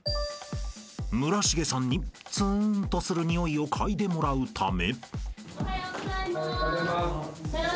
［村重さんにツーンとするにおいを嗅いでもらうため］